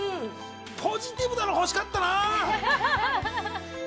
ポジティブなの欲しかったな。